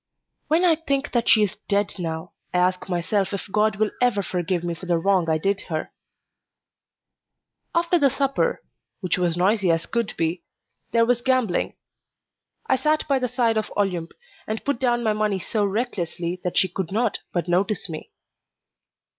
When I think that she is dead now, I ask myself if God will ever forgive me for the wrong I did her. After the supper, which was noisy as could be, there was gambling. I sat by the side of Olympe and put down my money so recklessly that she could not but notice me.